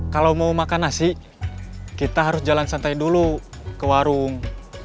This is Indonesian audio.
kalau mau makan nasi kita harus jalan santai dulu ke warung